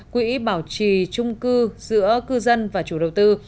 quỹ bảo trì trung cư giữa cư dân và chủ đầu tư